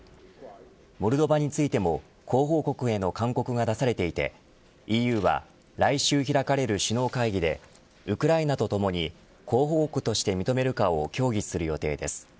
モルドバについても候補国への勧告が出されていてＥＵは来週開かれる首脳会議でウクライナとともに候補国として認めるかを協議する予定です。